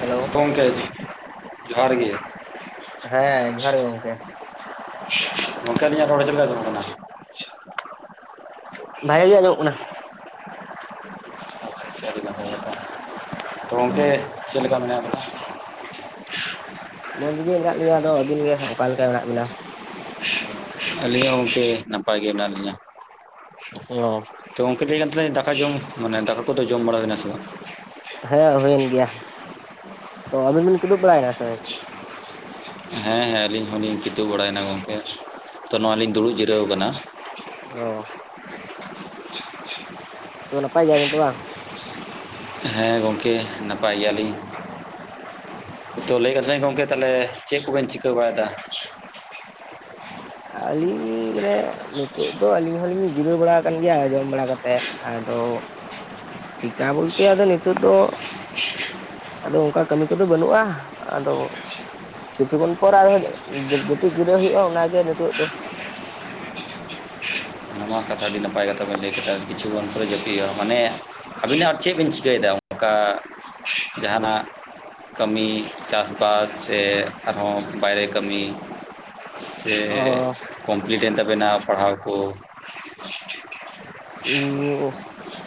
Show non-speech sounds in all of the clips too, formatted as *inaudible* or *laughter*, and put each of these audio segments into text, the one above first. Hello. ᱜᱚᱝᱠᱮ, ᱡᱚᱦᱟᱨ ᱜᱮ᱾ ᱦᱮᱸ ᱡᱚᱦᱟᱨ ᱜᱮ ᱜᱚᱝᱠᱮ᱾ ᱜᱚᱝᱠᱮ ᱟᱹᱞᱤᱧᱟᱜ ᱨᱚᱲ ᱪᱮᱫ ᱞᱮᱠᱟ ᱟᱸᱡᱚᱢᱚᱜ ᱠᱟᱱᱟ? ᱵᱷᱟᱜᱮ ᱜᱮ ᱟᱸᱡᱚᱢᱚᱜ ᱠᱟᱱᱟ᱾ ᱟᱪᱪᱷᱟ ᱛᱚ ᱜᱚᱝᱠᱮ ᱪᱮᱫ ᱞᱮᱠᱟ ᱢᱮᱱᱟᱜ ᱵᱤᱱᱟ? ᱵᱮᱥ ᱜᱮ ᱢᱮᱱᱟᱜ ᱞᱤᱧᱟᱹ, ᱟᱫᱚ ᱟᱵᱤᱱ ᱜᱮ ᱚᱠᱟ ᱞᱮᱠᱟ ᱢᱮᱱᱟᱜ ᱵᱤᱱᱟ? ᱟᱹᱞᱤᱧ ᱦᱚᱸ ᱜᱚᱝᱠᱮ ᱱᱟᱯᱟᱭ ᱜᱮ ᱢᱮᱱᱟᱜ ᱞᱤᱧᱟ᱾ ᱚ᱾ ᱛᱚ ᱜᱚᱝᱠᱮ ᱞᱟᱹᱭ ᱠᱟᱱ ᱛᱟᱞᱤᱧ ᱫᱟᱠᱟ ᱡᱚᱢ ᱢᱟᱱᱮ ᱫᱟᱠᱟ ᱠᱚᱫᱚ ᱡᱚᱢ ᱵᱟᱲᱟ ᱦᱩᱭᱱᱟ ᱥᱮ ᱵᱟᱝ? ᱦᱮᱸ ᱦᱳᱭᱮᱱ ᱜᱮᱭᱟ᱾ ᱛᱚ ᱟᱹᱵᱤᱱ ᱵᱤᱱ ᱠᱤᱫᱩᱵ ᱵᱟᱲᱟᱭᱱᱟ ᱥᱮ? ᱦᱮᱸ ᱦᱮᱸ ᱟᱹᱞᱤᱧ ᱦᱚᱞᱤᱧ ᱠᱤᱫᱩᱵ ᱵᱟᱲᱟᱭᱱᱟ ᱜᱚᱝᱠᱮ, ᱛᱚ ᱱᱚᱣᱟ ᱞᱤᱧ ᱫᱩᱲᱩᱵ ᱡᱤᱨᱟᱹᱣ ᱠᱟᱱᱟ᱾ ᱚ᱾ ᱛᱚ ᱱᱟᱯᱟᱭ ᱜᱮᱭᱟᱵᱤᱱ ᱛᱚ ᱵᱟᱝ? ᱦᱮᱸ ᱜᱚᱝᱠᱮ ᱱᱟᱯᱟᱭ ᱜᱮᱭᱟᱞᱤᱧ᱾ ᱛᱚ ᱞᱟᱹᱭ ᱠᱟᱱ ᱛᱟᱞᱤᱧ ᱜᱚᱝᱠᱮ ᱛᱟᱦᱚᱞᱮ ᱪᱮᱫ ᱠᱚᱵᱮᱱ ᱪᱤᱠᱟᱹ ᱵᱟᱲᱟᱭᱫᱟ? ᱟᱹᱞᱤᱧ ᱢᱟᱱᱮ ᱱᱤᱛᱳᱜ ᱫᱚ ᱟᱹᱞᱤᱧ ᱦᱚᱞᱤᱧ ᱡᱤᱨᱟᱹᱣ ᱵᱟᱲᱟ ᱠᱟᱱ ᱜᱮᱭᱟ ᱡᱚᱢ ᱵᱟᱲᱟ ᱠᱟᱛᱮᱫ᱾ ᱟᱫᱚ, ᱪᱮᱠᱟ ᱵᱚᱞᱛᱮ ᱟᱫᱚ ᱱᱤᱛᱚᱜ ᱫᱚ ᱟᱫᱚ ᱚᱱᱠᱟ ᱠᱟᱹᱢᱤ ᱠᱚᱫᱚ ᱵᱟᱹᱱᱩᱜᱼᱟ᱾ ᱟᱫᱚ ᱠᱤᱪᱷᱩ ᱠᱷᱚᱱ ᱯᱚᱨᱮ ᱟᱫᱚ ᱡᱟ ᱡᱟᱹᱯᱤᱫ ᱡᱤᱨᱟᱹᱣ ᱦᱩᱭᱩᱜᱼᱟ ᱚᱱᱟ ᱜᱮ ᱱᱤᱛᱳᱜ ᱫᱚ᱾ ᱱᱚᱣᱟ ᱠᱟᱛᱷᱟ᱾ ᱟᱹᱰᱤ ᱱᱟᱯᱟᱭ ᱠᱟᱛᱷᱟ ᱵᱮᱱ ᱞᱟᱹᱭ ᱠᱮᱫᱟ ᱠᱤᱪᱷᱩ ᱠᱷᱚᱱ ᱯᱚᱨᱮ ᱡᱟᱹᱯᱤᱜ ᱦᱳᱭᱳᱜᱼᱟ ᱢᱟᱱᱮ ᱟᱹᱵᱤᱱ ᱟᱨ ᱪᱮᱫ ᱵᱤᱱ ᱪᱤᱠᱟᱹᱭᱫᱟ, ᱚᱱᱠᱟ ᱡᱟᱦᱟᱸᱱᱟᱜ? ᱠᱟᱹᱢᱤ ᱪᱟᱥ ᱵᱟᱥ ᱥᱮ ᱟᱨᱦᱚᱸ ᱵᱟᱭᱨᱮ ᱠᱟᱹᱢᱤ᱾ ᱥᱮ ᱚ ᱠᱚᱢᱯᱞᱤᱴ ᱮᱱ ᱛᱟᱵᱤᱱᱟ ᱯᱟᱲᱦᱟᱣ ᱠᱚ᱾ *inaudible* ᱩᱸ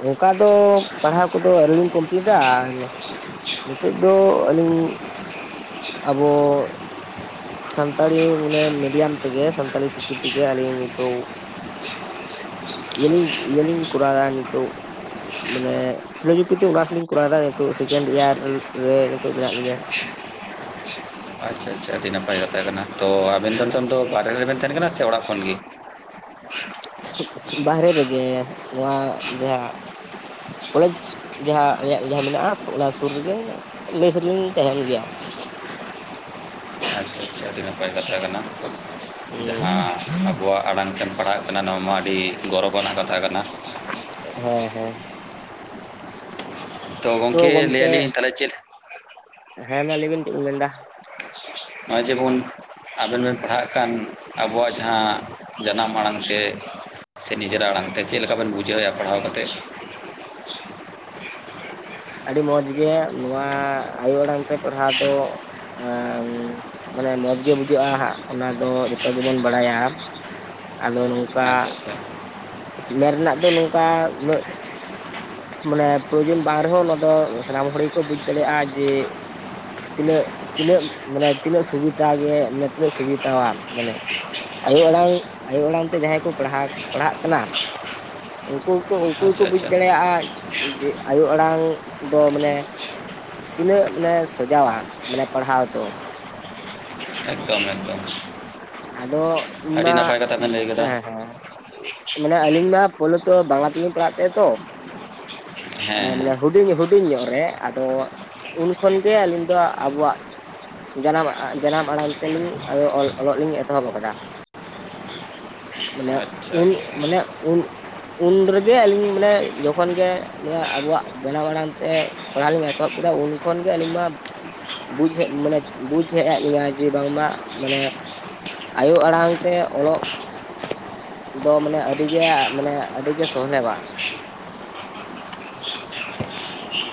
ᱚᱱᱠᱟ ᱫᱚ ᱯᱟᱲᱦᱟᱣ ᱠᱚᱫᱚ ᱟᱹᱣᱨᱤ ᱞᱤᱧ ᱠᱚᱢᱯᱞᱤᱴᱟ᱾ ᱱᱤᱛᱚᱜ ᱫᱚ ᱟᱹᱞᱤᱧ ᱟᱵᱚ ᱥᱟᱱᱛᱟᱲᱤ ᱢᱟᱱᱮ ᱢᱤᱰᱤᱭᱟᱢ ᱛᱮᱜᱮ ᱥᱟᱱᱛᱟᱞᱤ ᱪᱤᱠᱤ ᱛᱮᱜᱮ ᱟᱹᱞᱤᱧ ᱱᱤᱛᱳᱜ *inaudible* ᱤᱭᱟᱹ ᱞᱤᱧ ᱤᱭᱟᱹ ᱞᱤᱧ ᱠᱚᱨᱟᱣᱫᱟ ᱱᱤᱛᱳᱜ ᱢᱟᱱᱮ ᱯᱷᱤᱞᱳᱡᱚᱯᱤ ᱛᱮ ᱚᱱᱟᱨᱥ ᱞᱤᱧ ᱠᱚᱨᱟᱣᱫᱟ ᱱᱤᱛᱳᱜ ᱥᱮᱠᱮᱱᱰ ᱤᱭᱟᱨ ᱨᱮ ᱱᱤᱛᱚᱴᱳᱜ ᱢᱮᱱᱟᱜ ᱞᱤᱧᱟ᱾ ᱟᱪᱪᱷᱟ ᱟᱪᱪᱷᱟ ᱟᱹᱰᱤ ᱱᱟᱯᱟᱭ ᱠᱟᱛᱷᱟ ᱠᱟᱱᱟ, ᱛᱚ ᱟᱵᱮᱱ ᱫᱚ ᱱᱤᱛᱳᱝ ᱫᱚ ᱵᱟᱨᱦᱮ ᱨᱮᱵᱮᱱ ᱛᱟᱦᱮᱱ ᱠᱟᱱᱟ ᱥᱮ ᱚᱲᱟᱜ ᱠᱷᱚᱱ ᱜᱮ? ᱵᱟᱦᱨᱮ ᱨᱮᱜᱮ ᱱᱚᱣᱟ ᱡᱟᱦᱟᱸ ᱠᱚᱞᱮᱡᱽ ᱡᱟᱦᱟᱸ ᱟᱞᱮᱭᱟᱜ ᱡᱟᱦᱟᱸ ᱢᱮᱱᱟᱜᱼᱟ, ᱚᱱᱟ ᱥᱩᱨ ᱨᱮᱜᱮ ᱢᱮᱥ ᱨᱮᱞᱤᱧ ᱛᱟᱦᱮᱱ ᱜᱮᱭᱟ ᱾ ᱟᱪᱪᱷᱟ ᱟᱪᱪᱷᱟ ᱟᱹᱰᱤ ᱱᱟᱯᱟᱭ ᱠᱟᱛᱷᱟ ᱠᱟᱱᱟ ᱦᱮᱸ ᱡᱟᱦᱟᱸ ᱟᱵᱚᱣᱟᱜ ᱟᱲᱟᱝ ᱛᱮᱢ ᱯᱟᱲᱦᱟᱜ ᱠᱟᱱᱟ ᱱᱚᱣᱟ ᱢᱟ ᱟᱹᱰᱤ ᱜᱚᱨᱚᱵᱽ ᱟᱱᱟᱜ ᱠᱟᱛᱷᱟ ᱠᱟᱱᱟ ᱾ ᱦᱮᱸ ᱦᱮᱸ ᱛᱚ ᱜᱚᱝᱠᱮ ᱞᱟᱹᱭᱟᱞᱤᱧ ᱛᱟᱦᱞᱮ ᱪᱮᱫ ᱦᱮᱸ ᱢᱟ ᱞᱮᱭ ᱵᱤᱱ ᱪᱮᱜ ᱵᱤᱱ ᱢᱮᱱᱫᱟ᱾ ᱦᱚ-ᱜᱚᱭ ᱡᱮᱵᱚᱱ ᱟᱵᱮᱱ ᱵᱮᱱ ᱯᱟᱲᱦᱟᱜ ᱠᱟᱱ ᱟᱵᱚᱣᱟᱜ ᱡᱟᱸᱦᱟ ᱡᱟᱱᱟᱢ ᱟᱲᱟᱝ ᱛᱮ ᱥᱮ ᱱᱤᱡᱮᱨᱟᱜ ᱟᱲᱟᱝ ᱛᱮ ᱪᱮᱜ ᱞᱮᱠᱟ ᱵᱮᱱ ᱵᱩᱡᱷᱟᱹᱣᱼᱟ ᱯᱟᱲᱦᱟᱣ ᱠᱟᱛᱮᱫ? ᱟᱹᱰᱤ ᱢᱚᱸᱡᱽ ᱜᱮ ᱱᱚᱣᱟ ᱟᱭᱳ ᱟᱲᱟᱝ ᱛᱮ ᱯᱟᱲᱦᱟᱣ ᱫᱚ ᱟᱸ ᱢᱟᱱᱮ ᱢᱚᱸᱡᱽ ᱜᱮ ᱵᱩᱡᱷᱟᱹᱜᱼᱟ ᱦᱟᱸᱜ ᱚᱱᱟ ᱫᱚ ᱡᱷᱚᱛᱚ ᱜᱮᱵᱚᱱ ᱵᱟᱲᱟᱭᱟ ᱟᱫᱚ ᱱᱚᱝᱠᱟ ᱟᱪᱪᱷᱟ ᱟᱪᱪᱷᱟ ᱢᱮᱱ ᱨᱮᱱᱟᱜ ᱫᱚ ᱱᱚᱝᱠᱟ ᱩᱱᱟᱹᱜ ᱢᱟᱱᱮ ᱯᱨᱚᱭᱳᱡᱚᱱ ᱵᱟᱝ ᱨᱮᱦᱚᱸ ᱫᱚ ᱥᱟᱱᱟᱢ ᱦᱚᱲ ᱜᱮᱠᱚ ᱵᱩᱡᱽ ᱫᱟᱲᱮᱭᱟᱜᱼᱟ ᱡᱮ ᱛᱤᱱᱟᱹᱜ ᱛᱤᱱᱟᱹᱜ ᱢᱟᱱᱮ ᱛᱤᱱᱟᱹᱜ ᱥᱩᱵᱤᱛᱟ ᱜᱮ ᱢᱟᱱᱮ ᱛᱤᱱᱟᱹᱜ ᱥᱩᱵᱤᱛᱟᱣᱟ ᱢᱟᱱᱮ ᱟᱭᱳ ᱟᱲᱟᱝ ᱟᱭᱳ ᱟᱲᱟᱝ ᱛᱮ ᱡᱟᱦᱟᱸᱭ ᱠᱚ ᱯᱟᱲᱦᱟ, ᱯᱟᱲᱦᱟᱜ ᱠᱟᱱᱟ ᱩᱱᱠᱩ ᱜᱮᱠᱚ, ᱩᱱᱠᱳ ᱜᱮᱠᱚ ᱟᱪᱪᱷᱟ ᱵᱩᱡᱽ ᱟᱪᱪᱷᱟ ᱫᱟᱲᱮᱭᱟᱜᱼᱟ ᱡᱮ ᱟᱭᱳ ᱟᱲᱟᱝ ᱫᱚ ᱢᱟᱱᱮ, ᱛᱤᱱᱟᱹᱜ ᱢᱟᱱᱮ ᱥᱚᱡᱟᱣᱟ ᱢᱟᱱᱮ ᱯᱟᱲᱦᱟᱣ ᱫᱚ᱾ ᱮᱠᱫᱚᱢ ᱮᱠᱫᱚᱢ ᱟᱫᱚ ᱤᱧ ᱟᱹᱰᱤ ᱢᱟ ᱱᱟᱯᱟᱭ ᱠᱟᱛᱷᱟ ᱵᱮᱱ ᱞᱟᱹᱭ ᱠᱟᱫᱟ ᱦᱮᱸ ᱦᱮᱸ ᱢᱟᱱᱮ ᱟᱹᱞᱤᱧ ᱢᱟ ᱯᱳᱞᱳ ᱛᱚ ᱵᱟᱝᱞᱟ ᱛᱮᱞᱤᱧ ᱯᱟᱲᱦᱟᱜ ᱛᱟᱦᱮᱸ ᱛᱚ ᱮ ᱦᱮᱸ ᱢᱟᱱᱮ ᱦᱩᱰᱤᱧ ᱦᱩ *unintelligible* ᱧᱚᱜ ᱨᱮ ᱟᱫᱚ ᱩᱱ ᱠᱷᱚᱱ ᱜᱮ ᱟᱹᱞᱤᱧ ᱫᱚ ᱟᱵᱚᱣᱟᱜ ᱡᱟᱱᱟᱢ, ᱡᱟᱱᱟᱢ ᱟᱲᱟᱝ ᱛᱮᱞᱤᱧ ᱚᱞ ᱚᱞᱚᱜ ᱞᱤᱧ ᱮᱛᱚᱦᱚᱵ ᱠᱟᱫᱟ᱾ ᱢᱟᱱᱮ ᱦᱮᱸ ᱟᱪᱪᱷᱟ ᱩᱱ ᱢᱟᱱᱮ ᱩᱱ ᱩᱱ ᱨᱮᱜᱮ ᱟᱹᱞᱤᱧ ᱢᱟᱱᱮ ᱡᱚᱠᱷᱚᱱ ᱜᱮ ᱱᱚᱣᱟ ᱟᱵᱳᱣᱟᱜ ᱡᱟᱱᱟᱢ ᱟᱲᱟᱝ ᱛᱮ ᱯᱟᱲᱦᱟᱣ ᱞᱤᱧ ᱮᱛᱚᱦᱚᱵ ᱠᱮᱫᱟ ᱩᱱ ᱠᱷᱚᱱ ᱜᱮ ᱟᱹᱞᱤᱧ ᱢᱟ ᱵᱩᱡᱷ ᱦᱮᱜ ᱢᱟᱱᱮ ᱵᱩᱡᱷ ᱦᱮᱜ *unintelligible* ᱞᱤᱧᱟᱹ ᱡᱮ ᱵᱟᱝᱢᱟ ᱢᱟᱱᱮ ᱟᱭᱳ ᱟᱲᱟᱝ ᱛᱮ ᱚᱞᱚᱜ ᱫᱚ ᱢᱟᱱᱮ ᱟᱹᱰᱤ ᱜᱮ ᱢᱟᱱᱮ ᱟᱹᱰᱤ ᱜᱮ ᱥᱚᱦᱞᱮᱣᱟ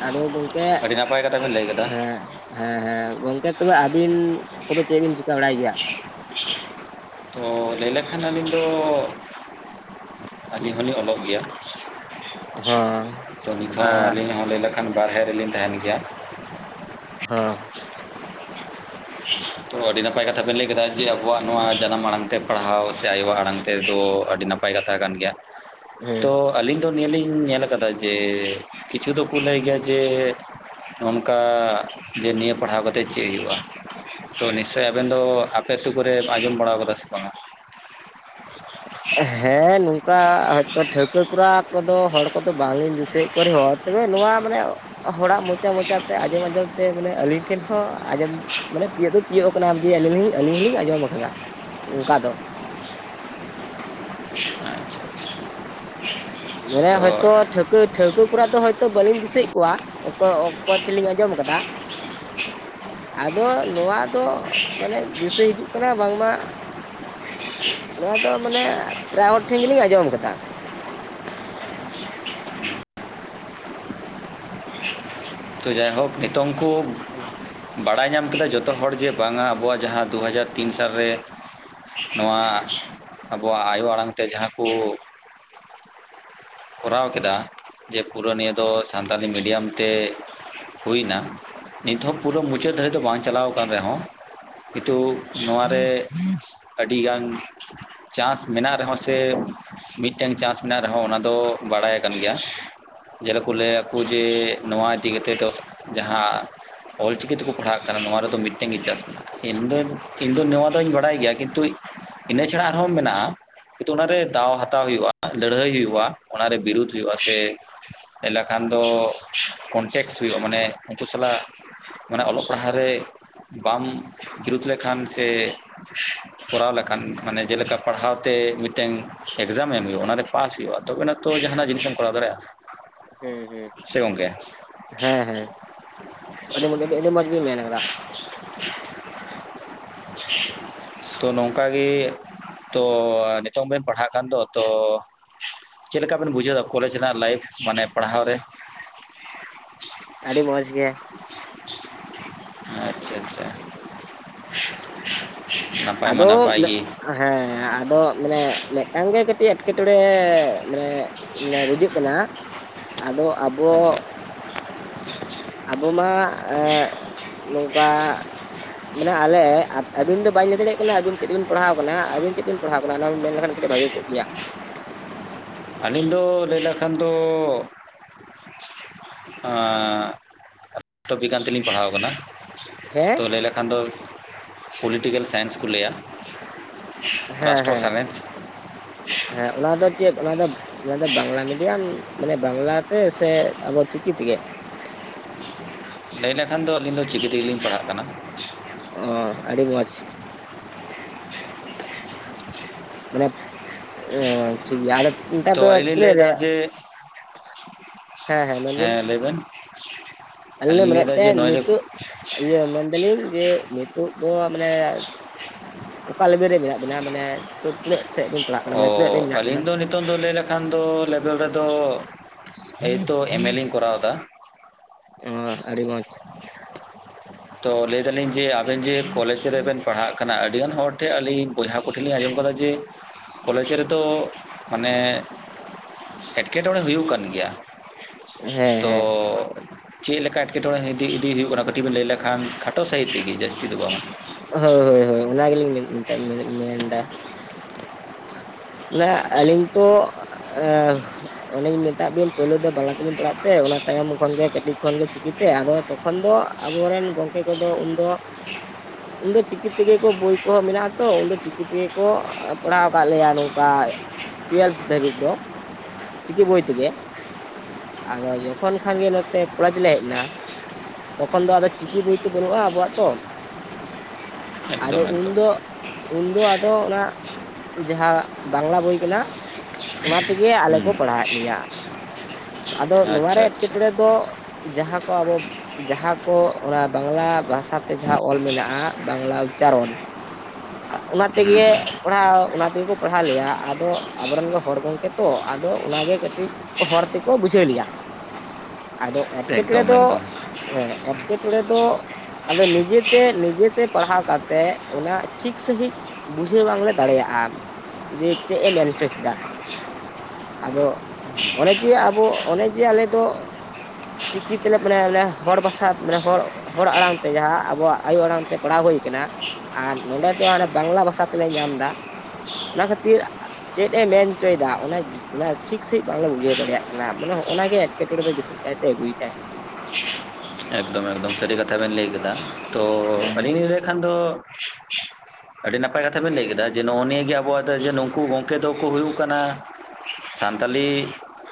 ᱟᱫᱚ ᱜᱚᱝᱠᱮ ᱟᱹᱰᱤ ᱱᱟᱯᱟᱭ ᱠᱟᱛᱷᱟ ᱵᱮᱱ ᱞᱟᱹᱭ ᱠᱟᱫᱟ ᱦᱮᱸ ᱦᱮᱸ ᱦᱮᱸ ᱜᱚᱝᱠᱮ ᱛᱚᱵᱮ ᱟᱹᱵᱤᱱ ᱠᱚᱫᱚ ᱪᱮᱜ ᱵᱤᱱ ᱪᱤᱠᱟᱹ ᱵᱟᱲᱟᱭ ᱜᱮᱭᱟ? ᱚ ᱞᱟᱹᱭ ᱞᱮᱠᱷᱟᱱ ᱟᱹᱞᱤᱧ ᱫᱚ ᱟᱹᱞᱤᱧ ᱦᱚᱞᱤᱧ ᱚᱞᱚᱜ ᱜᱮᱭᱟ᱾ *unintelligible* ᱛᱚ ᱱᱤᱛ ᱦᱚᱸ ᱟᱹᱞᱤᱧ ᱦᱚᱸ ᱞᱟᱹᱭ ᱞᱮᱠᱷᱟᱱ ᱵᱟᱨᱦᱮ ᱨᱮᱞᱤᱧ ᱛᱟᱦᱮᱱ ᱜᱮᱭᱟ᱾ ᱦᱚᱸ ᱛᱚ ᱟᱹᱰᱤ ᱱᱟᱯᱟᱭ ᱠᱟᱛᱷᱟ ᱵᱮᱱ ᱞᱟᱹᱭ ᱠᱮᱫᱟ ᱡᱮ ᱟᱵᱚᱣᱟᱜ ᱱᱚᱣᱟ ᱡᱟᱱᱟᱢ ᱟᱲᱟᱝ ᱛᱮ ᱯᱟᱲᱦᱟᱣ ᱥᱮ ᱟᱭᱳᱣᱟᱜ ᱟᱲᱟᱝ ᱛᱮᱫᱚ ᱟᱹᱰᱤ ᱱᱟᱯᱟᱭ ᱱᱟᱯᱟᱭ ᱠᱟᱛᱷᱟ ᱠᱟᱱ ᱜᱮᱭᱟ᱾ ᱦᱮᱸ ᱛᱚ ᱟᱹᱞᱤᱧ ᱫᱚ ᱱᱤᱭᱟᱹ ᱞᱤᱧ ᱧᱮᱞ ᱠᱟᱫᱟ ᱡᱮ ᱠᱤᱪᱷᱩ ᱫᱚᱠᱚ ᱞᱟᱹᱭ ᱜᱮᱭᱟ ᱡᱮ ᱚᱱᱠᱟ ᱡᱮ ᱱᱤᱭᱟᱹ ᱯᱟᱲᱦᱟᱣ ᱠᱟᱛᱮ ᱪᱮᱜ ᱦᱩᱭᱩᱜᱼᱟ ᱛᱚ ᱱᱤᱥᱪᱳᱭ ᱟᱵᱮᱱ ᱫᱚ ᱟᱯᱮ ᱟᱹᱛᱩ ᱠᱚᱨᱮ ᱟᱸᱡᱚᱢ ᱵᱟᱲᱟᱣ ᱠᱟᱫᱟ ᱥᱮ ᱵᱟᱝᱼᱟ? ᱦᱮᱸ ᱱᱚᱝᱠᱟ ᱦᱚᱭᱛᱚ ᱴᱷᱟᱹᱣᱠᱟᱹ ᱠᱚᱨᱟ ᱠᱚᱫᱚ ᱦᱚᱲ ᱠᱚᱫᱚ ᱵᱟᱝᱞᱤᱧ ᱫᱤᱥᱟᱹᱭᱮᱫ ᱠᱚᱣᱟ ᱨᱮᱦᱚᱸ ᱛᱚᱵᱮ ᱱᱚᱣᱟ ᱢᱟᱱᱮ ᱦᱚᱲᱟᱜ ᱢᱚᱪᱟ ᱢᱚᱪᱟᱛᱮ ᱟᱸᱡᱚᱢ ᱟᱸᱡᱚᱢ ᱛᱮ ᱢᱟᱱᱮ ᱟᱹᱞᱤᱧ ᱴᱷᱮᱱ ᱦᱚᱸ ᱟᱸᱡᱚᱢ ᱢᱟᱱᱮ ᱛᱤᱭᱳᱜ ᱫᱚ ᱛᱤᱭᱳᱜ ᱠᱟᱱᱟ ᱡᱮ ᱟᱹᱞᱤᱧ ᱟᱹᱞᱤᱧ ᱦᱚᱞᱤᱧ ᱟᱸᱡᱚᱢ ᱠᱟᱫᱟ ᱛᱚ ᱚᱱᱠᱟ ᱫᱚ, *unintelligible* ᱢᱟᱱᱮ ᱦᱚᱭᱛᱚ ᱴᱷᱟᱹᱣᱠᱟᱹ ᱴᱷᱟᱹᱣᱠᱟᱹ ᱠᱚᱨᱟ ᱫᱚ ᱦᱚᱭᱛᱳ ᱵᱟᱹᱞᱤᱧ ᱫᱤᱥᱟᱹᱭᱮᱫ ᱠᱚᱣᱟ, ᱚᱠᱚᱭ ᱚᱠᱚᱭ ᱴᱷᱮᱡ ᱞᱤᱧ ᱟᱸᱡᱚᱢ ᱠᱟᱫᱟ, *unintelligible* ᱟᱫᱚ ᱱᱚᱣᱟ ᱫᱚ ᱢᱟᱱᱮ ᱫᱤᱥᱟᱹᱭ ᱦᱤᱡᱩᱜ ᱠᱟᱱᱟ ᱵᱟᱝᱢᱟ ᱱᱚᱣᱟ ᱫᱚ ᱢᱟᱱᱮ ᱯᱨᱟᱭᱦᱚᱲ ᱴᱷᱮᱱ ᱜᱮᱞᱤᱧ ᱟᱸᱡᱚᱢ ᱠᱟᱫᱟ ᱾ ᱛᱚ ᱡᱟᱭ ᱦᱳᱠ ᱱᱤᱛᱚᱝ ᱠᱩ *unintelligible* ᱵᱟᱲᱟᱭ ᱧᱟᱢ ᱠᱮᱫᱟ ᱡᱷᱚᱛᱚ ᱦᱚᱲ ᱡᱮ ᱵᱟᱝᱟ ᱟᱵᱚᱣᱟᱜ ᱡᱟᱦᱟᱸ ᱫᱩᱦᱟᱡᱟᱨ ᱛᱤᱱ ᱥᱟᱞᱨᱮ ᱱᱚᱣᱟ ᱟᱵᱚᱣᱟᱜ ᱟᱭᱳ ᱟᱲᱟᱝ ᱛᱮ ᱡᱟᱦᱟᱸ ᱠᱚ ᱠᱚᱨᱟᱣ ᱠᱮᱫᱟ ᱡᱮ ᱯᱩᱨᱟᱹ ᱱᱤᱭᱟᱹ ᱫᱚ ᱥᱟᱱᱛᱟᱞᱤ ᱢᱤᱰᱤᱭᱟᱢ ᱛᱮ ᱦᱩᱭ ᱮᱱᱟ ᱱᱤᱛᱦᱚᱸ ᱯᱩᱨᱟᱹ ᱢᱩᱪᱟᱹᱫ ᱫᱷᱟᱹᱨᱤᱡ ᱫᱚ ᱵᱟᱝ ᱪᱟᱞᱟᱣ ᱟᱠᱟᱱ ᱨᱮᱦᱚᱸ ᱠᱤᱛᱩ ᱱᱚᱣᱟᱨᱮ ᱟᱹᱰᱤᱜᱟᱱ ᱪᱟᱸᱱᱥ ᱢᱮᱱᱟᱜ ᱨᱮᱦᱚᱸ ᱥᱮ ᱢᱤᱫᱴᱝ ᱪᱟᱸᱱᱥ ᱢᱮᱱᱟᱜ ᱨᱮᱦᱚᱸ ᱚᱱᱟ ᱫᱚ ᱵᱟᱲᱟᱭ ᱟᱠᱟᱱ ᱜᱮᱭᱟ᱾ *inaudible* ᱠᱚ ᱞᱟᱹᱭᱟᱚ ᱡᱮ ᱱᱚᱣᱟ ᱤᱫᱤ ᱠᱟᱛᱮᱫ ᱫᱚ ᱡᱟᱦᱟᱸ ᱚᱞᱪᱤᱠᱤ ᱛᱮᱠᱚ ᱯᱟᱲᱦᱟᱜ ᱠᱟᱫᱟ ᱱᱚᱣᱟ ᱨᱮᱫᱚ ᱢᱤᱫᱴᱮᱱ ᱜᱮ *inaudible* ᱢᱮᱱᱟᱜ-ᱟ᱾ ᱤᱧ ᱫᱚ ᱤᱧ ᱫᱚ ᱱᱚᱣᱟ ᱫᱚᱩᱧ ᱵᱟᱲᱟᱭ ᱜᱮᱭᱟ ᱠᱤᱱᱛᱩ ᱤᱱᱟᱹ ᱪᱷᱟᱲᱟ ᱟᱨᱦᱚᱸ ᱢᱮᱱᱟᱜ-ᱟ ᱠᱤᱱᱛᱩ ᱚᱱᱟᱨᱮ ᱫᱟᱣ ᱦᱟᱛᱟᱣ ᱦᱩᱭᱩᱜ-ᱟ ᱞᱟᱹᱲᱦᱟᱹᱭ ᱦᱩᱭᱩᱜ-ᱟ᱾ ᱚᱱᱟᱨᱮ ᱵᱤᱨᱩᱫ ᱦᱩᱭᱩᱜ-ᱟ ᱥᱮ ᱞᱮᱠᱷᱟᱱ ᱫᱚ ᱠᱚᱱᱴᱮᱠᱥ ᱦᱩᱭᱩᱜ-ᱟ ᱢᱟᱱᱮ ᱩᱱᱠᱩ ᱥᱟᱞᱟᱜ, ᱢᱟᱱᱮ ᱚᱞᱚᱜ ᱯᱟᱲᱦᱟᱜ ᱨᱮ ᱵᱟᱢ ᱡᱩᱛ ᱞᱮᱠᱷᱟᱱ ᱥᱮ ᱠᱚᱨᱟᱣ ᱞᱮᱠᱷᱟᱱ ᱢᱟᱱᱮ ᱡᱮᱞᱮᱠᱟ ᱯᱟᱲᱦᱟᱣ ᱛᱮ ᱢᱤᱫᱴᱮᱱ ᱮᱠᱡᱟᱢ ᱮᱢ ᱦᱩᱭᱩᱜ-ᱟ ᱚᱱᱟᱨᱮ ᱯᱟᱥ ᱦᱩᱭᱩᱜ-ᱟ᱾ ᱛᱚᱵᱮ ᱱᱟᱜ ᱛᱚ ᱡᱟᱦᱟᱱᱟᱜ ᱡᱤᱱᱤᱥ ᱮᱢ ᱠᱚᱨᱟᱣ ᱫᱟᱲᱮᱭᱟᱜ-ᱟ᱾ ᱦᱩᱸ ᱦᱩᱸ ᱦᱮᱸ ᱦᱮᱸ ᱟᱹᱰᱤ *unintelligible* ᱟᱹᱰᱤ ᱢᱚᱸᱡᱽ ᱵᱤᱱ ᱢᱮᱱ ᱠᱟᱫᱟ᱾ *unintelligible* ᱛᱚ ᱱᱚᱝᱠᱟ ᱜᱮ ᱛᱚ ᱱᱤᱛᱚᱝ ᱵᱮᱱ ᱯᱟᱲᱦᱟᱜ ᱠᱟᱱ ᱫᱚ ᱛᱚ ᱪᱮᱫ ᱞᱮᱠᱟ ᱵᱮᱱ ᱵᱩᱡᱷᱟᱹᱣ ᱮᱫᱟ ᱠᱚᱞᱮᱡ ᱨᱮᱱᱟᱜ ᱞᱟᱭᱤᱯᱷ ᱢᱟᱱᱮ ᱯᱟᱲᱦᱟᱣ ᱨᱮ? ᱟᱹᱰᱤ ᱢᱚᱸᱡᱽ ᱜᱮ, ᱟᱪᱪᱷᱟ ᱟᱪᱪᱷᱟ᱾ ᱱᱟᱯᱟᱭ ᱢᱟ ᱟᱫᱚ ᱱᱟᱯᱟᱭ ᱜᱮ ᱦᱮᱸ ᱟᱫᱚ ᱢᱟᱱᱮ ᱢᱤᱫᱴᱟᱝ ᱜᱮ ᱠᱟᱹᱴᱤᱡ ᱮᱴᱠᱮᱴᱚᱬᱮ ᱢᱟᱱᱮ ᱢᱟᱱᱮ ᱵᱩᱡᱷᱟᱹᱜ ᱠᱟᱱᱟ ᱟᱫᱚ ᱟᱵᱚ *unintelligible* ᱟᱵᱚ ᱢᱟ ᱮᱸ ᱱᱚᱝᱠᱟ ᱢᱟᱱᱮ ᱟᱞᱮ ᱟᱹᱵᱤᱱ ᱫᱚ ᱵᱟᱧ ᱞᱟᱹᱭ ᱫᱟᱲᱮᱭᱟᱜ ᱠᱟᱱᱟ ᱟᱹᱵᱤᱱ ᱪᱮᱫ ᱵᱤᱱ ᱯᱟᱲᱦᱟᱣ ᱠᱟᱱᱟ ᱟᱹᱵᱤᱱ ᱪᱮᱫ ᱵᱤᱱ ᱯᱟᱲᱦᱟᱣ ᱠᱟᱱᱟ ᱚᱱᱟᱵᱤᱱ ᱢᱮᱱ ᱞᱮᱠᱷᱟᱱ ᱠᱟᱹᱴᱤᱡ ᱵᱷᱟᱹᱜᱤ ᱠᱚᱜ ᱜᱮᱭᱟ? ᱟᱹᱞᱤᱧ ᱫᱚ ᱞᱟᱹᱭ ᱞᱮᱠᱷᱟᱱ ᱫᱚ ᱮᱸ ᱨᱟᱥᱴᱚᱵᱤᱜᱟᱱ ᱛᱮᱞᱤᱧ ᱯᱟᱲᱦᱟᱣ ᱠᱟᱱᱟ᱾ ᱦᱮᱸ, ᱛᱚ ᱞᱟᱹᱭ ᱞᱮᱠᱷᱟᱱ ᱫᱚ ᱯᱚᱞᱤᱴᱤᱠᱮᱞ ᱥᱟᱭᱮᱱᱥ ᱠᱚ ᱞᱟᱹᱭᱟ᱾ ᱦᱮᱸ ᱨᱟᱥᱴᱨᱚ ᱦᱮᱸ ᱥᱟᱸᱬᱮᱥ, ᱦᱮᱸ ᱚᱱᱟ ᱫᱚ ᱪᱮᱫ ᱚᱱᱟ ᱫᱚ ᱚᱱᱟ ᱫᱚ ᱵᱟᱝᱞᱟ ᱢᱤᱰᱤᱭᱟᱢ ᱢᱟᱱᱮ ᱵᱟᱝᱞᱟ ᱛᱮ ᱥᱮ ᱟᱵᱚ ᱪᱤᱠᱤ ᱛᱮᱜᱮ? ᱞᱟᱹᱭ ᱞᱮᱠᱷᱟᱱ ᱫᱚ ᱟᱹᱞᱤᱧ ᱫᱚ ᱪᱤᱠᱤ ᱛᱮᱜᱮᱞᱤᱧ ᱯᱟᱲᱦᱟᱜ ᱠᱟᱱᱟ᱾ ᱚ ᱟᱹᱰᱤ ᱢᱚᱡᱽ, *unintelligible* ᱢᱟᱱᱮ ᱚ ᱴᱷᱤᱠ ᱧᱟᱢ ᱮᱫ ᱠᱤᱱ ᱛᱟᱦᱮᱱ ᱛᱚ ᱜᱮᱭᱟ ᱟᱫᱚ ᱫᱚ ᱟᱹᱞᱤᱧ *unintelligible* ᱛ ᱞᱤᱧ ᱨᱮ ᱞᱟᱹᱭᱫᱟ ᱡᱮ ᱦᱮᱸ ᱦᱮᱸ ᱾ ᱞᱟᱹᱭ ᱵᱮᱱ? ᱟᱞᱮ ᱞᱮ ᱟᱹᱞᱤᱧ ᱢᱮᱱᱮᱫ ᱞᱟᱹᱭᱫᱟ ᱡᱮ ᱛᱟᱦᱮᱸ ᱱᱚᱜᱼᱚᱭ ᱡᱮ ᱱᱤᱛᱚᱜ ᱤᱭᱟᱹ ᱢᱮᱱᱫᱟ ᱞᱤᱧ ᱡᱮ ᱱᱤᱛᱳᱜ ᱫᱚ ᱢᱟᱱᱮᱼᱼ ᱚᱠᱟ ᱞᱮᱵᱮᱞ ᱨᱮ ᱢᱮᱱᱟᱜ ᱵᱤᱱᱟ ᱾ ᱢᱟᱱᱮ ᱛᱚ ᱛᱤᱱᱟᱹᱜ ᱥᱮᱫ ᱵᱮᱱ ᱯᱟᱲᱦᱟᱜ ᱠᱟᱱᱟ ᱚ ᱢᱟᱱᱮ ᱛᱤᱱᱟᱹᱜ ᱨᱮ ᱢᱮᱱᱟᱜ ᱵᱤᱱᱟ ᱟᱹᱞᱤᱧ ᱾ ᱫᱚ ᱱᱤᱛᱚᱝ ᱫᱚ ᱞᱟᱹᱭ ᱞᱮᱠᱷᱟᱱ ᱫᱚ ᱞᱮᱵᱮᱞ ᱨᱮᱫᱚ ᱮᱛᱚ ᱮᱢᱹᱮ ᱤᱧ ᱠᱚᱨᱟᱣ ᱮᱫᱟ ᱾ ᱚ ᱟᱹᱰᱤ ᱢᱚᱡᱽ ᱾ ᱛᱚ ᱞᱟᱹᱭ ᱫᱟᱞᱤᱧ ᱡᱮ ᱟᱵᱮᱱ ᱡᱮ ᱠᱚᱞᱮᱡᱽ ᱨᱮ ᱵᱮᱱᱼᱼ ᱯᱟᱲᱦᱟᱜ ᱠᱟᱱᱟ ᱟᱹᱰᱤ ᱜᱟᱱ ᱦᱚᱲ ᱴᱷᱮᱱ ᱟᱹᱞᱤᱧ ᱵᱚᱭᱦᱟ ᱠᱚᱴᱷᱮᱱ ᱞᱤᱧ ᱟᱸᱡᱚᱢ ᱟᱠᱟᱫᱟ ᱡᱮᱼᱼ ᱠᱚᱞᱮᱡᱽ ᱨᱮᱫᱚ ᱢᱟᱱᱮ ᱮᱴᱠᱮᱴᱚᱬᱮ ᱦᱩᱭᱩᱜ ᱠᱟᱱ ᱜᱮᱭᱟ ᱦᱮᱸ ᱾ ᱛᱚ ᱦᱮᱸ ᱪᱮᱫ ᱞᱮᱠᱟ ᱮᱴᱠᱮᱴᱚᱬᱮ ᱤᱫᱤ ᱤᱫᱤ ᱦᱩᱭᱩᱜ ᱠᱟᱱᱟ ᱠᱟᱹᱴᱤᱡ ᱵᱮᱱ ᱞᱟᱹᱭ ᱞᱮᱠᱷᱟᱱᱼᱼ ᱠᱷᱟ ᱠᱷᱟᱴᱚ ᱥᱟᱹᱦᱤᱡ ᱛᱮᱜᱮ ᱡᱟᱹᱥᱛᱤ ᱫᱚ ᱵᱟᱝᱟ ᱾ ᱦᱳᱭ ᱦᱳᱭ ᱦᱳᱭ ᱚᱱᱟ ᱜᱮᱞᱤᱧ ᱢᱮᱱᱮᱛᱟ ᱢᱮᱱᱫᱟ ᱾ ᱢᱟᱱᱮ ᱟᱹᱞᱤᱧ ᱛᱚ ᱮᱸᱜ ᱚᱱᱮᱧ ᱢᱮᱛᱟᱜ ᱵᱤᱱ ᱯᱳᱭᱞᱳ ᱫᱚ ᱵᱟᱝᱞᱟ ᱛᱮᱞᱤᱧ ᱯᱟᱲᱟᱜ ᱛᱮ, ᱚᱱᱟ ᱛᱟᱭᱚᱢ ᱠᱷᱚᱱ ᱜᱮ ᱠᱟᱹᱴᱤᱡ ᱠᱷᱚᱱ ᱜᱮ ᱪᱤᱠᱤᱛ ᱛᱮ ᱟᱨᱚ ᱛᱚᱠᱷᱚᱱ ᱫᱚ ᱟᱵᱚ ᱨᱮᱱ ᱜᱚᱝᱠᱮ ᱠᱚᱫᱚ ᱩᱱᱫᱚ ᱩᱱᱫᱚ ᱪᱤᱠᱤ ᱛᱮᱜᱮ ᱠᱩ ᱵᱳᱭ ᱠᱚ ᱢᱮᱱᱟᱜ ᱟᱛᱚ, ᱩᱱᱫᱚ ᱪᱤᱠᱤ ᱛᱮᱜᱮ ᱠᱚ ᱯᱟᱲᱦᱟᱣ ᱟᱠᱟᱫ ᱞᱮᱭᱟ ᱱᱚᱝᱠᱟ ᱾ ᱴᱩᱭᱮᱞᱵᱷ ᱫᱷᱟᱹᱵᱤᱡ ᱫᱚ ᱪᱤᱠᱤ ᱵᱳᱭ ᱛᱮᱜᱮ ᱾ ᱟᱫᱚ ᱡᱚᱠᱷᱚᱱ ᱠᱷᱟᱱ ᱜᱮ, ᱱᱚᱛᱮ ᱠᱚᱞᱮᱡᱽ ᱞᱮ ᱦᱮᱡ ᱱᱟ ᱛᱚᱠᱷᱚᱱ ᱫᱚ ᱟᱫᱚ ᱪᱤᱠᱤ ᱵᱳᱭ ᱛᱚ ᱵᱟᱹᱱᱩᱜᱼᱟ ᱟᱵᱚᱣᱟᱜ ᱛᱚ ᱾ ᱟᱫᱚ ᱮᱠᱫᱚᱢ ᱮᱠᱫᱚᱢ ᱩᱱᱫᱚ, ᱩᱱᱫᱚ ᱟᱫᱚ ᱚᱱᱟ ᱡᱟᱦᱟᱸ ᱵᱟᱝᱞᱟ ᱵᱳᱭ ᱢᱮᱱᱟᱜᱼᱟᱼᱼ ᱚᱱᱟ ᱛᱮᱜᱮ ᱟᱞᱮ ᱦᱩᱸ ᱠᱚ ᱯᱟᱲᱦᱟᱣ ᱮᱫ ᱞᱮᱭᱟ ᱾ ᱟᱫᱚ ᱱᱚᱣᱟ ᱟᱪᱪᱷᱟ ᱨᱮ ᱮᱴᱠᱮ ᱟᱪᱪᱷᱟ ᱴᱚᱲᱮ ᱫᱚ ᱡᱟᱦᱟᱸ ᱠᱚ ᱟᱵᱚ ᱡᱟᱦᱟᱸ ᱠᱚ ᱚᱱᱟ ᱵᱟᱝᱞᱟ ᱵᱷᱟᱥᱟ ᱛᱮ ᱡᱟᱦᱟᱸ ᱚᱞ ᱢᱮᱱᱟᱜᱼᱟ, ᱵᱟᱝᱞᱟ ᱩᱪᱪᱟᱨᱚᱱ *unintelligible* ᱚᱱᱟ ᱛᱮᱜᱮ ᱚᱱᱟ, ᱚᱱᱟ ᱛᱮᱜᱮ ᱠᱚ ᱯᱟᱲᱦᱟᱣ ᱞᱮᱭᱟ ᱾ ᱟᱫᱚ ᱟᱵᱚ ᱨᱮᱱ ᱜᱚ ᱦᱚᱲ ᱜᱚᱝᱠᱮ ᱛᱚ ᱾ ᱛᱚ ᱟᱫᱚ ᱚᱱᱟ ᱜᱮ ᱠᱟᱹᱴᱤᱡ ᱦᱚᱨ ᱛᱮᱠᱚ ᱵᱩᱡᱷᱟᱹᱣ ᱞᱮᱭᱟ ᱾ ᱟᱫᱚ ᱮᱴᱠᱮ ᱴᱚᱬᱮ ᱮᱠᱫᱚᱢ ᱫᱚ ᱮᱠᱫᱚᱢ ᱚᱱᱮ ᱮᱴᱠᱮ ᱴᱚᱬᱮ ᱫᱚ ᱟᱫᱚ ᱱᱤᱡᱮ ᱛᱮ ᱱᱤᱡᱮ ᱛᱮ ᱯᱟᱲᱦᱟᱣ ᱠᱟᱛᱮᱜ ᱚᱱᱟ ᱴᱷᱤᱠ ᱥᱟᱺᱦᱤᱡᱼᱼ ᱵᱩᱡᱷᱟᱹᱣ ᱵᱟᱝᱞᱮ ᱫᱟᱲᱮᱭᱟᱜᱼᱟ ᱡᱮ ᱪᱮᱫ ᱮ ᱢᱮᱱ ᱦᱚᱪᱚ ᱫᱟ ᱟᱫᱚ ᱚᱱᱮ ᱡᱮ ᱟᱵᱚ ᱚᱱᱮ ᱡᱮ ᱟᱞᱮ ᱫᱚ, ᱪᱤᱠᱤ ᱛᱮᱞᱮ ᱢᱟᱱᱮ ᱚᱱᱮ ᱦᱚᱲ ᱵᱷᱟᱥᱟ ᱢᱟᱱᱮ ᱦᱚᱲ ᱦᱚᱲ ᱟᱲᱟᱝ ᱛᱮ ᱡᱟᱦᱟᱸ, ᱟᱵᱚᱣᱟᱜ ᱟᱭᱳ ᱟᱲᱟᱝ ᱛᱮ ᱯᱟᱲᱦᱟᱣ ᱦᱩᱭ ᱠᱟᱱᱟ ᱟᱨ ᱱᱚᱸᱰᱮ ᱫᱚ ᱦᱟᱱᱮ ᱵᱟᱝᱞᱟ ᱵᱷᱟᱥᱟ ᱛᱮᱞᱮ ᱧᱟᱢ ᱮᱫᱟᱼᱼ ᱚᱱᱟ ᱠᱷᱟᱹᱛᱤᱨ ᱪᱮᱫ, ᱮ ᱢᱮᱱ ᱚᱪᱚᱭ ᱫᱟ ᱚᱱᱟ ᱚᱱᱟ ᱴᱷᱤᱠ ᱥᱟᱺᱦᱤᱡ ᱵᱟᱝᱞᱮ ᱵᱩᱡᱷᱟᱹᱣᱼᱼ ᱫᱟᱲᱮᱭᱟᱜ ᱠᱟᱱᱟ, ᱢᱟᱱᱮ ᱱᱚᱜᱼᱚ ᱱᱟ ᱜᱮ ᱮᱴᱠᱮᱴᱚᱬᱮ ᱫᱚ ᱵᱤᱥᱮᱥ ᱠᱟᱭᱛᱮ ᱟᱹᱜᱩᱭ ᱫᱟᱭ ᱾ ᱮᱠᱫᱚᱢ ᱮᱠᱫᱚᱢ ᱥᱟᱹᱨᱤ ᱠᱟᱛᱷᱟ ᱵᱮᱱ ᱞᱟᱹᱭ ᱠᱟᱫᱟ ᱾ ᱛᱚ ᱦᱮᱸ ᱟᱹᱞᱤᱧ ᱞᱤᱧ ᱞᱟᱹᱭ ᱠᱷᱟᱱ ᱫᱚ ᱟᱹᱰᱤ ᱱᱟᱯᱟᱭ ᱠᱟᱛᱷᱟ ᱵᱮᱱ ᱞᱟᱹᱭ ᱠᱮᱫᱟ, ᱡᱮ ᱱᱚᱜᱼᱚ ᱱᱤᱭᱟᱹ ᱜᱮ ᱟᱵᱚᱣᱟᱜ ᱫᱚ ᱱᱩᱠᱩ ᱜᱚᱝᱠᱮ ᱫᱚᱠᱚ ᱦᱩᱭᱩᱜ ᱠᱟᱱᱟ ᱥᱟᱱᱛᱟᱞᱤ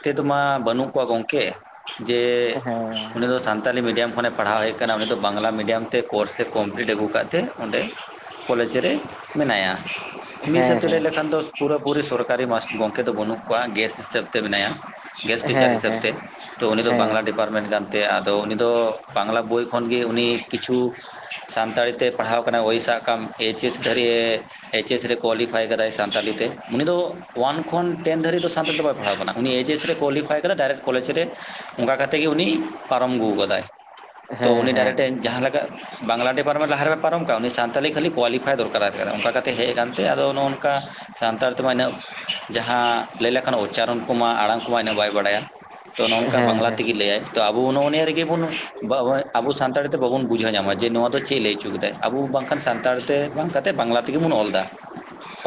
ᱛᱮᱫᱚ ᱢᱟ ᱵᱟᱹᱱᱩᱜ ᱠᱚᱣᱟ ᱜᱚᱝᱠᱮ ᱾ ᱡᱮ ᱦᱮᱸ ᱩᱱᱤ ᱫᱚ ᱥᱟᱱᱛᱟᱞᱤ ᱢᱤᱰᱤᱭᱟᱢ ᱠᱷᱚᱱᱮᱼᱼ ᱯᱟᱲᱦᱟᱣ ᱦᱮᱡ ᱠᱟᱱᱟ, ᱩᱱᱤ ᱫᱚ ᱵᱟᱝᱞᱟ ᱢᱤᱰᱤᱭᱟᱢ ᱛᱮ ᱠᱳᱨᱥ ᱮ ᱠᱚᱢᱯᱤᱞᱤᱴ ᱟᱹᱜᱩ ᱠᱟᱜ ᱛᱮ ᱚᱸᱰᱮ ᱠᱚᱞᱮᱡᱽ ᱨᱮ ᱢᱮᱱᱟᱭᱟ ᱾ ᱢᱤᱫ ᱦᱤᱥᱟᱹᱵ ᱦᱮᱸ ᱛᱮ ᱞᱟᱹᱭ ᱦᱮᱸ ᱞᱮᱠᱷᱟᱱ ᱫᱚ ᱯᱩᱨᱟᱹ ᱯᱩᱨᱤ ᱥᱚᱨᱠᱟᱨᱤ ᱢᱟᱥ ᱜᱚᱝᱠᱮ ᱫᱚ ᱵᱟᱹᱱᱩᱜ ᱠᱚᱣᱟ ᱜᱮᱥ ᱦᱤᱥᱟᱹᱵ ᱛᱮ ᱢᱮᱱᱟᱭᱟ ᱾ ᱜᱮᱥᱴ ᱴᱤᱪᱟᱨ ᱦᱮᱸ ᱦᱤᱥᱟᱹᱵᱽ ᱦᱮᱸ ᱛᱮ, ᱛᱚ ᱩᱱᱤ ᱫᱚ ᱦᱮᱸ ᱵᱟᱝᱞᱟ ᱰᱤᱯᱟᱨᱢᱮᱱᱴ ᱠᱟᱱ ᱛᱮ ᱟᱫᱚ ᱩᱱᱤ ᱫᱚ ᱵᱟᱝᱞᱟ ᱵᱳᱭ ᱠᱷᱚᱱ ᱜᱮ ᱩᱱᱤ ᱠᱤᱪᱷᱩᱠᱼᱼ ᱥᱟᱱᱛᱟᱲᱤ ᱛᱮ ᱯᱟᱲᱦᱟᱣ ᱠᱟᱱᱟᱭ ᱳᱭ ᱥᱟᱜ ᱠᱟᱢ ᱮᱭᱤᱪ ᱮᱥ ᱫᱷᱟᱹᱨᱤᱡ ᱮ ᱮᱭᱤᱪ ᱮᱥ ᱨᱮ ᱠᱳᱣᱟᱞᱤᱯᱷᱟᱭ ᱠᱟᱫᱟᱭ ᱥᱟᱱᱛᱟᱞᱤ ᱛᱮ ᱩᱱᱤ ᱫᱚ ᱳᱣᱟᱱ ᱠᱷᱚᱱ ᱴᱮᱱ ᱫᱷᱟᱹᱨᱤᱡ ᱫᱚ ᱥᱟᱱᱛᱟᱲᱤ ᱫᱚ ᱵᱟᱭ ᱯᱟᱲᱦᱟᱣ ᱠᱟᱱᱟ᱾ ᱩᱱᱤ ᱮᱭᱤᱪ ᱮᱥ ᱨᱮ ᱠᱳᱣᱟᱞᱤᱯᱷᱟᱭ ᱠᱟᱫᱟᱭ ᱰᱟᱭᱨᱮᱠᱴ ᱠᱚᱞᱮᱡ ᱨᱮ ᱚᱱᱠᱟ ᱠᱟᱛᱮ ᱜᱮ ᱩᱱᱤ ᱯᱟᱨᱚᱢ ᱟᱹᱜᱩ ᱠᱟᱫᱟᱭ᱾ ᱛᱚ ᱦᱮᱸ ᱦᱮᱸ ᱩᱱᱤ ᱦᱮᱸ ᱰᱟᱭᱨᱮᱴᱮᱱ ᱡᱟᱦᱟᱸ ᱞᱮᱠᱟ ᱵᱟᱝᱞᱟ ᱰᱤᱯᱟᱨᱢᱮᱱᱴ ᱞᱟᱦᱟ ᱨᱮ ᱢᱟᱭ ᱯᱟᱨᱚᱢ ᱠᱟᱜ, ᱩᱱᱤ ᱥᱟᱱᱛᱟᱞᱤ ᱠᱷᱟᱹᱞᱤ ᱠᱳᱣᱟᱞᱤᱯᱷᱟᱭ ᱫᱚᱨᱠᱟᱨᱟᱭ ᱠᱟᱱᱟ ᱚᱱᱠᱟ ᱠᱟᱛᱮ ᱦᱮᱡ ᱟᱠᱟᱱ ᱛᱮ ᱟᱫᱚ ᱱᱚᱜᱼᱚ ᱱᱚᱠᱟ ᱥᱟᱱᱛᱟᱲ ᱛᱮᱢᱟ ᱤᱱᱟᱹᱜ ᱡᱟᱦᱟᱸ ᱞᱟᱹᱭ ᱞᱮᱠᱷᱟᱱ ᱩᱪᱪᱟᱨᱚᱱ ᱠᱚᱢᱟ, ᱟᱲᱟᱝ ᱠᱚᱢᱟ, ᱤᱱᱟᱹᱜ ᱵᱟᱭ ᱵᱟᱰᱟᱭᱟ᱾ ᱛᱚ ᱱᱚᱜ ᱱᱚᱝᱠᱟ ᱦᱮᱸ ᱵᱟᱝᱞᱟ ᱦᱮᱸ ᱛᱮᱜᱤᱭ ᱞᱟᱹᱭᱟᱭ ᱛᱚ ᱟᱵᱚ ᱱᱚᱜᱼᱚ ᱱᱤᱭᱟᱹ ᱨᱮᱜᱮ ᱵᱩᱱ ᱵᱟᱵᱟᱭ ᱟᱵᱚ ᱥᱟᱱᱛᱟᱲᱤ ᱛᱮ ᱵᱟᱵᱚᱱ ᱵᱩᱡᱷᱟᱹᱣ ᱧᱟᱢᱟ ᱡᱮ ᱱᱚᱣᱟ ᱫᱚ ᱪᱮᱫ ᱞᱟᱹᱭ ᱚᱪᱚ ᱠᱮᱫᱟᱭ, ᱟᱵᱚ ᱵᱟᱝ ᱠᱷᱟᱱ ᱥᱟᱱᱛᱟᱲ ᱛᱮ ᱵᱟᱝ ᱠᱷᱟᱱ ᱛᱮ ᱵᱟᱝᱞᱟ ᱛᱮᱜᱮ ᱵᱚᱱ ᱚᱞ ᱫᱟ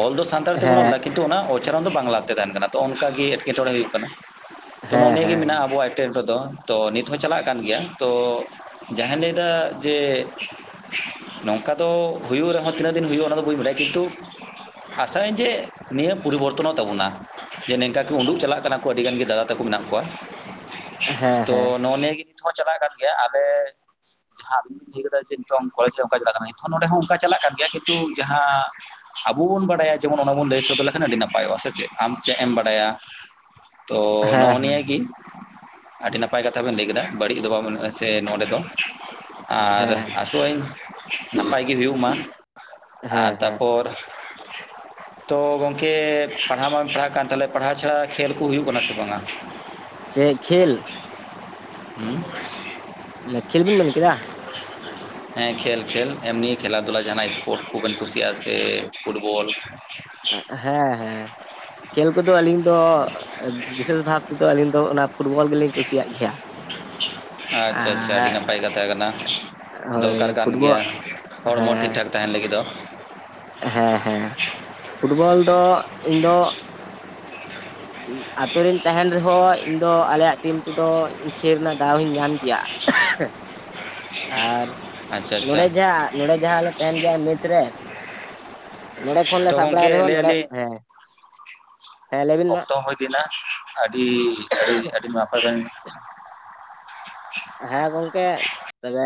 ᱚᱞ ᱫᱚ ᱥᱟᱱ ᱛᱟᱲ ᱛᱮᱵᱚᱱ ᱚᱞ ᱦᱮᱸ ᱫᱟ ᱠᱤᱱᱛᱩ ᱚᱱᱟ ᱩᱪᱪᱟᱨᱚᱱ ᱫᱚ ᱵᱟᱝᱞᱟ ᱛᱮ ᱛᱟᱦᱮᱱ ᱠᱟᱱᱟ ᱛᱚ ᱚᱝᱠᱟ ᱜᱮ ᱮᱴᱠᱮᱴᱚᱬᱮ ᱦᱩᱭᱩᱜ ᱠᱟᱱᱟ᱾ ᱛᱚ ᱱᱚᱜᱼᱚ ᱦᱮᱸ ᱱᱤᱭᱟᱹ ᱜᱤ ᱦᱮᱸ ᱢᱮᱱᱟᱜᱼᱟ ᱟᱵᱚᱣᱟᱜ *unintelligible* ᱫᱚ ᱛᱚ ᱱᱤᱛ ᱦᱚᱸ ᱪᱟᱞᱟᱜ ᱠᱟᱱ ᱜᱮᱭᱟ ᱛᱚ ᱡᱟᱦᱟᱸᱧ ᱞᱟᱹᱭ ᱫᱟ ᱡᱮ ᱱᱚᱝᱠᱟ ᱫᱚ ᱦᱩᱭᱩᱜ ᱨᱮᱦᱚᱸ ᱛᱤᱱᱟᱹᱜ ᱫᱤᱱ ᱦᱩᱭᱩᱜᱼᱟ ᱚᱱᱟ ᱫᱚ ᱵᱟᱹᱧ ᱵᱟᱲᱟᱭᱟ ᱠᱤᱱᱛᱩ ᱟᱥᱟᱭ ᱟᱹᱧ ᱡᱮ ᱱᱤᱭᱟᱹ ᱯᱚᱨᱤᱵᱚᱨᱛᱚᱱᱚᱜ ᱛᱟᱵᱚᱱᱟ ᱡᱮ ᱱᱮᱝᱠᱟ ᱠᱩ ᱩᱰᱩᱜ ᱪᱟᱞᱟᱜ ᱠᱟᱱᱟ ᱠᱚ ᱟᱹᱰᱤ ᱜᱟᱱ ᱜᱮ ᱫᱟᱫᱟ ᱛᱟᱠᱚ ᱢᱮᱱᱟᱜ ᱠᱚᱣᱟ ᱛᱚ ᱱᱚᱜᱼᱚ ᱱᱤᱭᱟᱹ ᱜᱤ ᱞ ᱱᱤᱛ ᱦᱚᱸ ᱪᱟᱞᱟᱜ ᱠᱟᱱ ᱜᱮᱭᱟ ᱟᱞᱮ ᱦᱟᱸᱵ ᱤᱭᱟᱹ ᱠᱟᱫᱟ ᱡᱮ ᱱᱤᱛᱚᱝ ᱠᱚᱞᱮᱡ ᱨᱮ ᱚᱝᱠᱟ ᱪᱟᱞᱟᱜ ᱠᱟᱱᱟ ᱜᱮᱭᱟ ᱱᱤᱛ ᱱᱚᱸᱰᱮ ᱦᱚᱸ ᱚᱝᱠᱟ ᱪᱟᱞᱟᱜ ᱠᱟᱱ ᱜᱮᱭᱟ ᱠᱤᱱᱛᱩ ᱡᱟᱦᱟᱸ ᱟᱵᱩ ᱵᱚᱱ ᱵᱟᱰᱟᱭᱟ ᱡᱮᱢᱚᱱ ᱚᱱᱟ ᱵᱚᱱ ᱞᱟᱹᱭ ᱥᱚᱫᱚᱨ ᱞᱮᱠᱷᱟᱱ ᱟᱹᱰᱤ ᱱᱟᱯᱟᱭᱚᱜᱼᱟ ᱥᱮ ᱪᱮᱫ ᱟᱢ ᱪᱮᱫ ᱮᱢ ᱵᱟᱲᱟᱭᱟ? ᱛᱚ ᱦᱮᱸ ᱱᱚᱜᱼᱚ ᱱᱤᱭᱟᱹ ᱜᱤ ᱟᱹᱰᱤ ᱱᱟᱯᱟᱭ ᱠᱟᱛᱷᱟ ᱵᱮᱱ ᱞᱟᱹᱭ ᱠᱮᱫᱟ ᱵᱟᱹᱲᱤᱡ ᱫᱚ ᱵᱟᱵᱮᱱ ᱥᱮ ᱱᱚᱸᱰᱮ ᱫᱚ ᱟᱨ ᱦᱮᱸ ᱟᱥᱚᱜ ᱟᱹᱧ ᱱᱟᱯᱟᱭ ᱜᱮ ᱦᱩᱭᱩᱜ ᱢᱟ᱾ ᱟᱨ ᱦᱮᱸ ᱦᱮᱸ ᱛᱟᱨᱯᱚᱨ ᱛᱳ ᱜᱚᱢᱠᱮ ᱯᱟᱲᱦᱟᱣ ᱢᱟᱢ ᱯᱟᱲᱦᱟᱜ ᱠᱟᱱ ᱛᱟᱦᱚᱞᱮ ᱯᱟᱲᱦᱟᱣ ᱪᱷᱟᱲᱟ ᱠᱷᱮᱞ ᱠᱚ ᱦᱩᱭᱩᱜ ᱠᱟᱱᱟ ᱥᱮ ᱵᱟᱝᱟ? ᱪᱮᱫ ᱠᱷᱮᱞ? ᱩᱸᱻ ᱢᱟᱱᱮ ᱠᱷᱮᱞ ᱵᱤᱱ ᱢᱮᱱ ᱠᱮᱫᱟ᱾ *inaudible* ᱦᱮᱸ ᱠᱷᱮᱞ ᱠᱷᱮᱞ ᱮᱢᱱᱤ ᱠᱷᱮᱞᱟ ᱫᱷᱩᱞᱟ ᱡᱟᱦᱱᱟᱜ ᱥᱯᱳᱨᱴ ᱠᱚᱵᱮᱱ ᱠᱩᱥᱤᱭᱟᱜᱼᱟ ᱥᱮ ᱯᱷᱩᱴᱵᱚᱞ ᱦᱮᱸ ᱦᱮᱸ ᱠᱷᱮᱞ ᱠᱚᱫᱚ ᱟᱹᱞᱤᱧ ᱫᱚ ᱵᱤᱥᱮᱥ ᱵᱷᱟᱵ ᱛᱮᱫᱚ ᱟᱹᱞᱤᱧ ᱫᱚ ᱚᱱᱟ ᱯᱷᱩᱴᱵᱚᱞ ᱜᱮᱞᱤᱧ ᱠᱩᱥᱤᱭᱟᱜ ᱜᱮᱭᱟ᱾ ᱟᱪᱪᱷᱟ ᱟᱪᱪᱷᱟᱞ, ᱟᱹᱰᱤ ᱟᱨ ᱱᱟᱯᱟᱭ ᱠᱟᱛᱷᱟ ᱠᱟᱱᱟ ᱦᱳᱭ ᱫᱚᱨᱠᱟᱨ ᱠᱟᱱ ᱯᱷᱩᱴᱵᱚᱞ ᱜᱮᱭᱟ ᱦᱚᱲᱢᱚ ᱦᱮᱸ ᱴᱷᱤᱠᱴᱷᱟᱠ ᱛᱟᱦᱮᱱ ᱞᱟᱹᱜᱤᱫ ᱫᱚ ᱦᱮᱸ ᱦᱮᱸ ᱯᱷᱩᱴᱵᱚᱞ ᱫᱚ ᱤᱧ ᱫᱚ ᱟᱛᱳ ᱨᱮᱧ ᱛᱟᱦᱮᱱ ᱨᱮᱦᱚᱸ ᱤᱧ ᱫᱚ ᱟᱞᱮᱭᱟᱜ ᱴᱤᱢ ᱛᱮᱫᱚ ᱠᱷᱮᱞ ᱨᱮᱱᱟᱜ ᱫᱟᱣ ᱤᱧ ᱧᱟᱢ ᱜᱮᱭᱟ᱾ *inaudible* ᱟᱨ ᱟᱪᱪᱷᱟ ᱟᱪᱪᱷᱟ ᱱᱚᱰᱮ ᱡᱟᱦᱟᱸ ᱱᱚᱰᱮ ᱡᱟᱦᱟᱸ ᱞᱮ ᱛᱟᱦᱮᱱ ᱜᱮᱭᱟ ᱢᱮᱥ ᱨᱮ ᱱᱚᱸᱰᱮ ᱠᱷᱚᱱᱞᱮ ᱛᱚ ᱥᱟᱵ ᱜᱚᱝᱠᱮ ᱵᱟᱲᱟᱭ ᱨᱮᱦᱚᱸ ᱞᱟᱹᱭ ᱱᱚᱰᱮ ᱟᱹᱞᱤᱧ ᱦᱮᱸ *inaudible* ᱦᱮᱸ ᱞᱟᱹᱭᱵᱤᱱ ᱢᱟ ᱤᱱᱟ ᱟᱹᱰᱤ ᱟᱹᱰᱤ ᱟᱹᱰᱤ ᱱᱟᱯᱟᱭ ᱠᱟᱢᱤ ᱦᱮᱸ ᱜᱚᱝᱠᱮ, ᱛᱚᱵᱮ